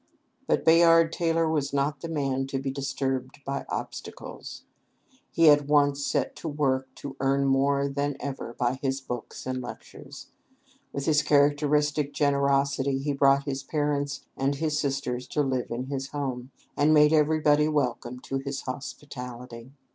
But Bayard Taylor was not the man to be disturbed by obstacles. He at once set to work to earn more than ever by his books and lectures. With his characteristic generosity he brought his parents and his sisters to live in his home, and made everybody welcome to his hospitality.